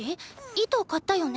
糸買ったよね？